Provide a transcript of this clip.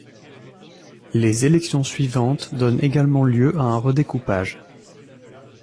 Les élections suivantes donnent également lieu à un redécoupage.